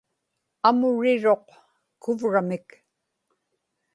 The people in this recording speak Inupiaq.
amuriruq kuvramik